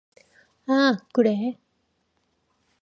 아, 그래.